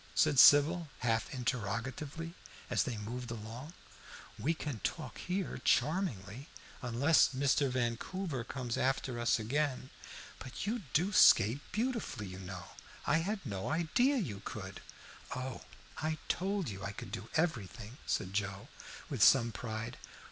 said Sybil half interrogatively, as they moved along. "We can talk here charmingly, unless Mr. Vancouver comes after us again. But you do skate beautifully, you know. I had no idea you could." "Oh, I told you I could do everything," said Joe, with some pride.